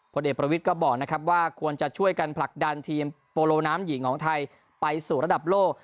ผลเอกประวิทย์ก็บอกนะครับว่าควรจะช่วยกันผลักดันทีมโปโลน้ำหญิงของไทยไปสู่ระดับโลก